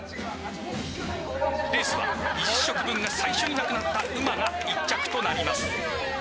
レースは２０食分が最初になくなったうまが一着となります。